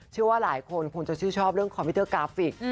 เชื่อว่าหลายคนคงจะชื่นชอบเรื่องคอมพิวเตอร์กราฟิก